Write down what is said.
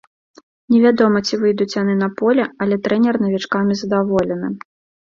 Невядома, ці выйдуць яны на поле, але трэнер навічкамі задаволены.